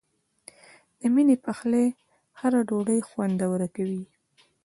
د مینې پخلی هره ډوډۍ خوندوره کوي.